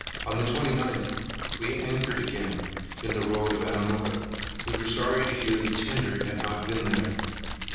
On the 29th, we anchored again in the road of Anamooka. We were sorry to hear the tender had not been there.